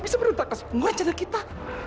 bisa meruntakkan semua rencana kita